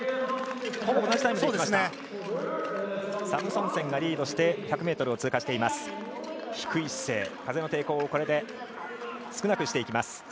サムソンセンがリードして１００ｍを通過しています。